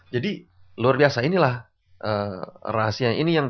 jadi luar biasa inilah rahasia ini